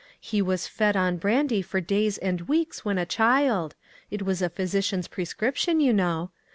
He was fed on brandy for days and weeks when a child. It was a physician's prescription, you know.